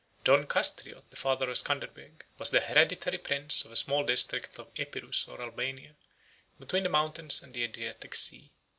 John Castriot, the father of Scanderbeg, 36 was the hereditary prince of a small district of Epirus or Albania, between the mountains and the Adriatic Sea.